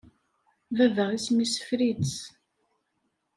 Baba, isem-is Fritz.